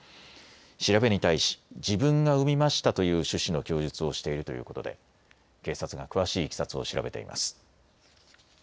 調べに対し自分が産みましたという趣旨の供述をしているということで警察が詳しいいきさつを調べています。